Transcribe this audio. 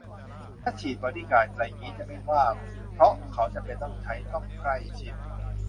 ถ้าฉีดบอดี้การ์ดไรงี้จะไม่ว่า เพราะเขาจำเป็นต้องใช้ ต้องใกล้ชิด